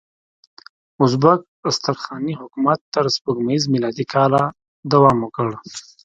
ازبک استرخاني حکومت تر سپوږمیز میلادي کاله دوام وکړ.